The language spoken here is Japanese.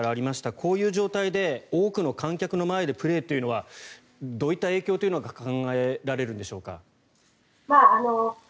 こういう状態で多くの観客の前でプレーというのはどういった影響が考えられるんでしょうか。